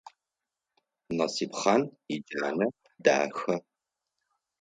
Насыпхъан иджанэ дахэ.